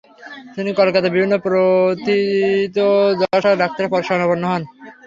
তিনি কলকাতার বিভিন্ন প্রথিতযশা ডাক্তারের শরণাপন্ন হন।